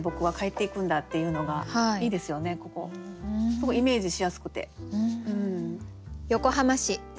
すごいイメージしやすくて。